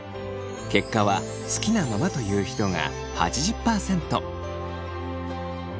結果は好きなままという人が８０％。